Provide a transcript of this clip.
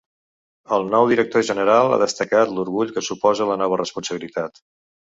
El nou director general ha destacat l’orgull que suposa la nova responsabilitat.